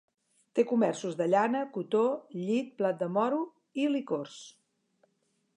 Té comerços de llana, cotó, lli, blat de moro i licors.